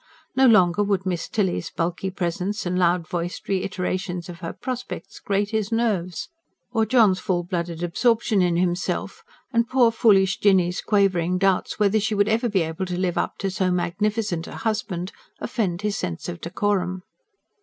No longer would Miss Tilly's bulky presence and loud voiced reiterations of her prospects grate his nerves; or John's full blooded absorption in himself, and poor foolish Jinny's quavering doubts whether she would ever be able to live up to so magnificent a husband, offend his sense of decorum.